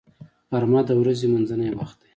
غرمه د ورځې منځنی وخت دی